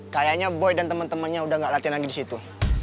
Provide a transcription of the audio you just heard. kayaknya boy dan temen temennya udah gak latihan lagi disitu